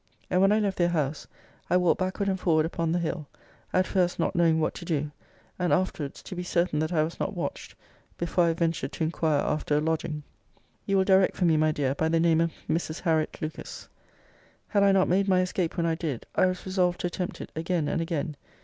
And when I left their house, I walked backward and forward upon the hill; at first, not knowing what to do; and afterwards, to be certain that I was not watched before I ventured to inquire after a lodging. You will direct for me, my dear, by the name of Mrs. Harriot Lucas. Had I not made my escape when I did, I was resolved to attempt it again and again.